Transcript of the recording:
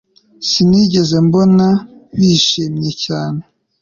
Sinigeze mbona bishimye cyane